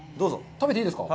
食べていいですか。